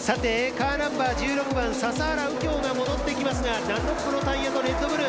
カーナンバー１６番笹原右京が戻ダンロップのタイヤのレッドブル。